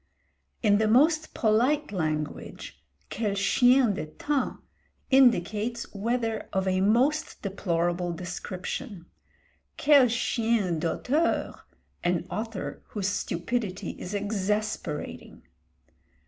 In the most polite language, quel chien de temps indicates weather of a most deplorable description; quel chien d'auteur, an author whose stupidity is exasperating.